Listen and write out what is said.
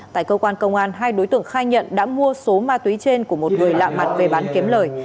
tại cơ quan công an hai đối tượng khai nhận đã mua số ma túy trên của một người lạ mặt về bán kiếm lời